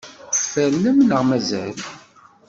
Tfernem neɣ mazal?